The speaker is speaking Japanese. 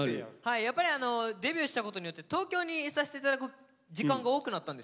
やっぱりデビューしたことによって東京にいさせて頂く時間が多くなったんですよ。